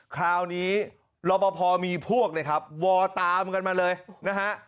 คราวนี้รบภพอมีพวกเนี่ยครับว่าตามกันมาเลยนะฮะ